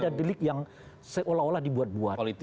ada delik yang seolah olah dibuat buat